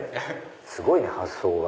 すごいね発想が。